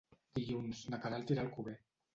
Dilluns na Queralt irà a Alcover.